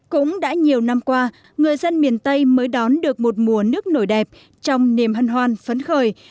cũng đã nhiều năm qua người dân miền tây mới đón được một mùa nước nổi đẹp trong niềm hân hoan phấn khởi